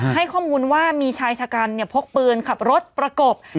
ให้ข้อมูลว่ามีชายชะกันพกปืนขับรถประกบ